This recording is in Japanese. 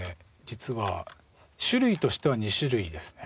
実は種類としては２種類ですね。